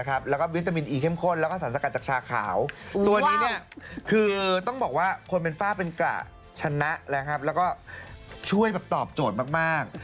ตัวนี้คือต้องบอกว่าคนเป็นฝ้าเป็นกระชนะแล้วก็ช่วยแบบตอบโจทย์มาก